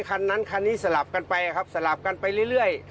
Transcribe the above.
คันนั้นคันนี้สลับกันไปครับสลับกันไปเรื่อย